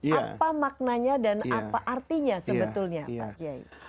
apa maknanya dan apa artinya sebetulnya pak kiai